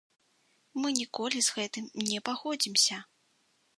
Мы ніколі з гэтым не пагодзімся.